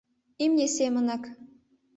— Имне семынак.